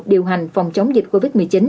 điều hành phòng chống dịch covid một mươi chín